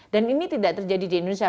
dan ini tidak terjadi di indonesia